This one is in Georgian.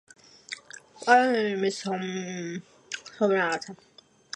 პოლონიუმის სხვა ბუნებრივი იზოტოპები იშლებიან ძალიან სწრაფად, ამიტომაც ვერ ახერხებენ თამბაქოში დაგროვებას.